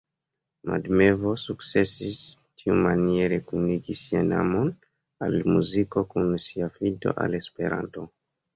Mad Mevo sukcesis tiumaniere kunigi sian amon al muziko kun sia fido al Esperanto.